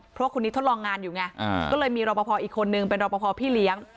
เพราะว่าคนนี้ทดลองงานอยู่ไงก็เลยมีรอปภอีกคนนึงเป็นรอปภพี่เลี้ยง